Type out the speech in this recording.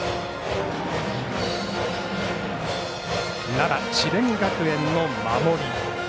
奈良智弁学園の守り。